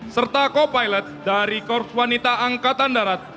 serta co pilot dari korps wanita angkatan darat